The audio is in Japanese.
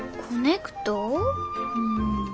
うん。